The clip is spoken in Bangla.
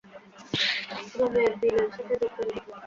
রুমের বিলের সাথে যোগ করে দাও।